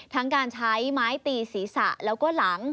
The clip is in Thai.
ทั้งการใช้ไม้ตีศีรษะแล้วก็หลัง